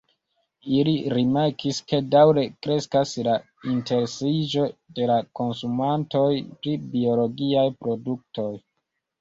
Ili rimarkis ke daŭre kreskas la interesiĝo de la konsumantoj pri biologiaj produktoj.